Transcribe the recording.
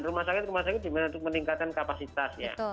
rumah sakit rumah sakit gimana untuk meningkatkan kapasitas ya